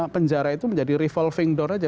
penjara itu menjadi rivalving door aja